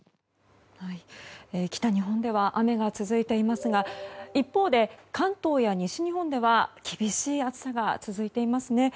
北日本では雨が続いていますが一方で、関東や西日本では厳しい暑さが続いていますね。